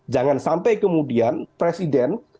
jangan sampai kemudian presiden